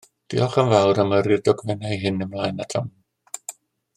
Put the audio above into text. Diolch yn fawr am yrru'r dogfennau hyn ymlaen atom.